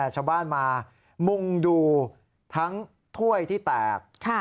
ชาวบ้านมามุ่งดูทั้งถ้วยที่แตก